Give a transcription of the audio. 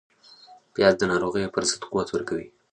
پیاز د ناروغیو پر ضد قوت ورکوي